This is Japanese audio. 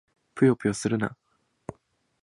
ぷよぷよするな！